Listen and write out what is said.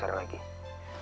oke selamat tinggal mon